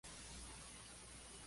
Se remata en alero.